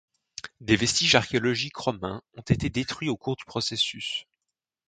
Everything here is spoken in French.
Des vestiges archéologiques romains ont été détruits au cours du processus.